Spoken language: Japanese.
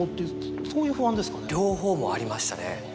両方もありましたね。